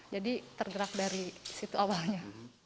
jadi tergerak dari situ awalnya